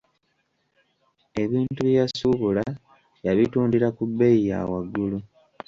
Ebintu bye yasuubula yabitundira ku bbeeyi ya waggulu.